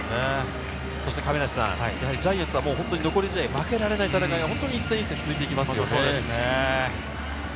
亀梨さん、ジャイアンツは残り試合、負けられない戦いが一戦一戦、続いていきますね。